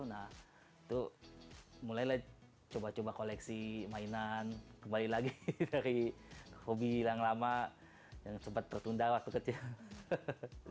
nah itu mulailah coba coba koleksi mainan kembali lagi dari hobi yang lama yang sempat tertunda waktu kecil